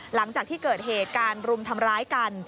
หลังจากที่เกิดเหตุการณ์รุมทำร้ายกัน